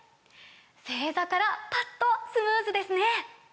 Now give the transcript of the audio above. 正座からパッとスムーズですね！